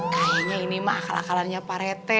kayaknya ini mah akal akalannya pak rete